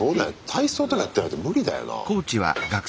体操とかやってないと無理だよな。